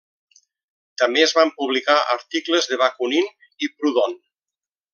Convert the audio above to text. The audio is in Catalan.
També es van publicar articles de Bakunin i Proudhon.